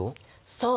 そう！